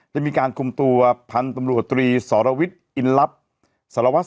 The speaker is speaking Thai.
จะมีการคุมตัวพันธุ์ตำรวจตรีสรวิทย์อินลับสารวัส